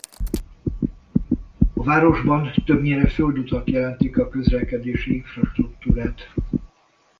A városban többnyire földutak jelentik a közlekedési infrastruktúrát.